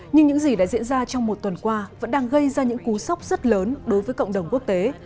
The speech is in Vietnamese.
nhưng những gì đã diễn ra trong một tuần qua vẫn đang gây ra những cú sốc rất lớn đối với cộng đồng quốc tế